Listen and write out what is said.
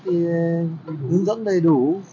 thì hướng dẫn đầy đủ